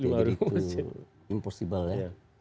jadi itu impossible ya